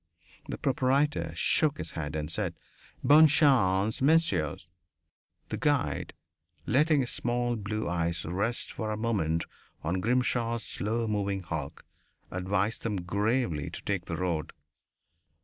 The proprietor shook his head and said: "Bonne chance, messieurs!" The guide, letting his small blue eyes rest for a moment on Grimshaw's slow moving hulk, advised them gravely to take the road.